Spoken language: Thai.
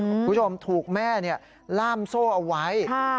คุณผู้ชมถูกแม่ล่ามโซ่เอาไว้